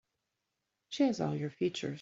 She has all your features.